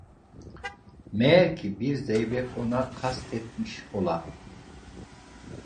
Meğer ki bir zeybek ona kastetmiş ola…